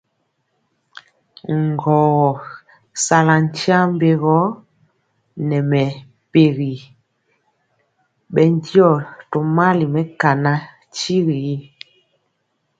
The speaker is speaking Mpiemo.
Ŋgɔɔgɔ sala tyiambe gɔ nɛ mɛmpegi bɛndiɔ tomali mɛkana tyigui y.